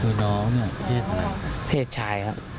นี้เนี่ยเทศไหน